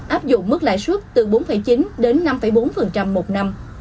áp dụng mức lãi suất từ bốn chín đến năm bốn một năm